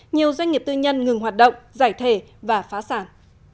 nhiều doanh nghiệp tư nhân ngừng hoạt động giải thể và phá sản